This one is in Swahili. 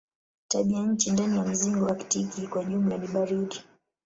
Tabianchi ndani ya mzingo aktiki kwa jumla ni baridi.